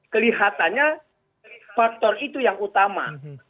kelihatannya faktor itu yang utama